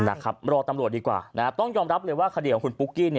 รอตำรวจดีกว่าต้องยอมรับเลยว่าคดีของคุณปุ๊กกี้